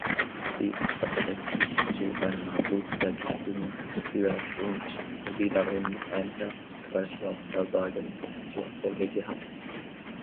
Dies hatte letztlich zu einer Blutvergiftung geführt und wiederum ein Herz-Kreislauf-Versagen zur Folge gehabt.